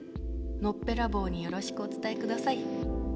のっぺらぼうによろしくお伝えください。